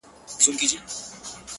یاره بس چي له مقامه را سوه سم,